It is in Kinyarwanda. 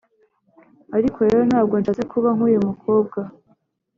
ariko rero ntabwo nshatse kuba nk'uyu mukobwa.